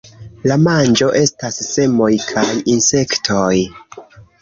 La manĝo estas semoj kaj insektoj.